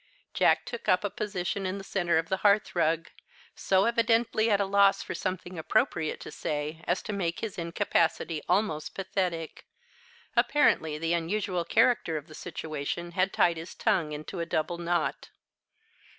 Jack took up a position in the centre of the hearthrug, so evidently at a loss for something appropriate to say as to make his incapacity almost pathetic apparently the unusual character of the situation had tied his tongue into a double knot.